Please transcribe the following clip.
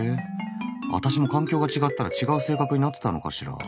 私も環境が違ったら違う性格になってたのかしら。